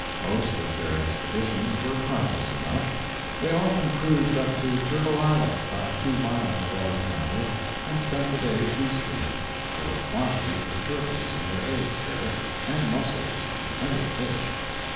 Most of their expeditions were harmless enough. They often cruised up to Turtle Island, about two miles above Hannibal, and spent the day feasting. There were quantities of turtles and their eggs there, and mussels, and plenty of fish.